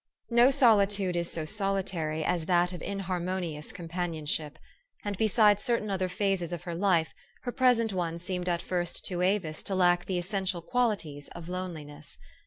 No solitude is so solitary as that of inharmonious companionship ; and, beside certain other phases of her life, her present one seemed at first to Avis to lack the essential qualities of loneliness.